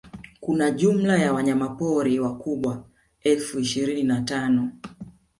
kuna jumla ya wanyamapori wakubwa elfu ishirini na tano